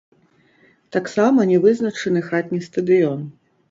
Таксама не вызначаны хатні стадыён.